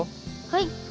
はい。